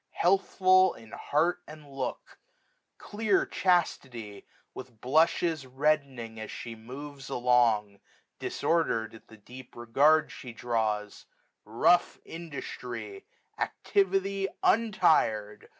Healthful in heart and look ; clear Chastity, With blushes reddening as (he moves along, i6xo Disordered at the deep regard she draws ; Rough Industry j Activity untir'd.